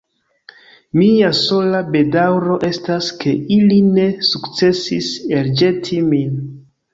Mia sola bedaŭro estas ke ili ne sukcesis elĵeti min.